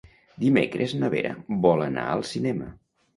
Dimecres na Vera vol anar al cinema.